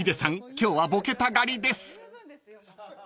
今日はボケたがりです］